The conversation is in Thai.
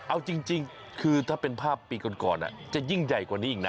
เอาจริงคือถ้าเป็นภาพปีก่อนจะยิ่งใหญ่กว่านี้อีกนะ